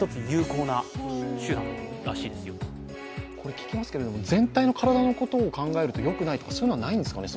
聞きますけど全体の体のことを考えるとよくないとか、そういうものはないですかね。